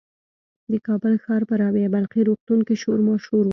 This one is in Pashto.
د کابل ښار په رابعه بلخي روغتون کې شور ماشور و.